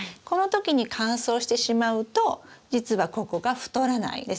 この時に乾燥してしまうと実はここが太らない。